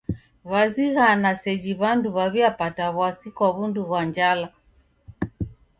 Wazighana seji w'andu w'aw'iapata w'asi kwa w'undu ghwa njala.